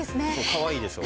かわいいでしょ？